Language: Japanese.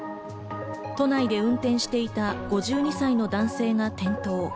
都内で運転していた５２歳の男性が転倒。